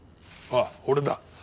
ああ俺だ。